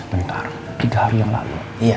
bentar tiga hari yang lalu